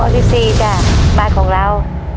ที่๔จ้ะบ้านของเรา